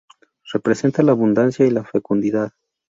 Representa la abundancia y la fecundidad.